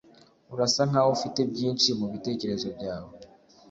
Urasa nkaho ufite byinshi mubitekerezo byawe.